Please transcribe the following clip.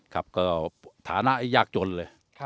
ก็ฐานะแยกจนเลย